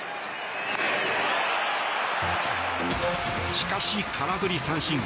しかし、空振り三振。